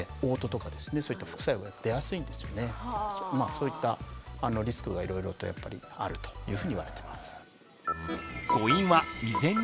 そういったリスクがいろいろとやっぱりあるというふうにいわれてます。